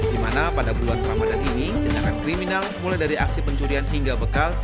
di mana pada bulan ramadan ini tindakan kriminal mulai dari aksi pencurian hingga bekal